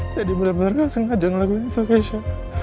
dedy bener bener gak sengaja ngelakuin itu keisha